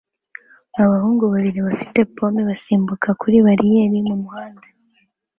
Abahungu babiri bafite pome basimbuka kuri bariyeri mumuhanda